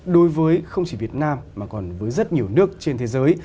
đối với không chỉ việt nam mà còn với rất nhiều nước trên thế giới